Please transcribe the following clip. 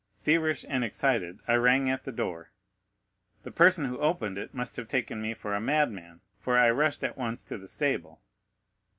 Feverish and excited, I rang at the door. The person who opened it must have taken me for a madman, for I rushed at once to the stable.